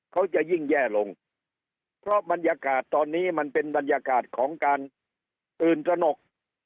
เขาจะยิ่งแย่ลงเพราะบรรยากาศตอนนี้มันเป็นบรรยากาศของการตื่นตระหนก